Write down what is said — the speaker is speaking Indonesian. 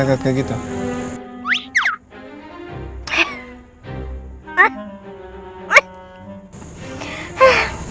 ngapain laget kayak gitu